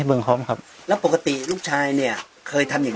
เมืองพร้อมครับแล้วปกติลูกชายเนี่ยเคยทำอย่าง